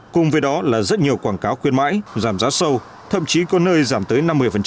cùng với đó là rất nhiều quảng cáo khuyên mãi giảm giá sâu thậm chí có nơi giảm tới năm mươi